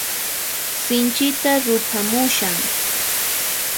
Sinchita ruphamushan.